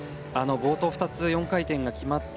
冒頭２つ４回転が決まった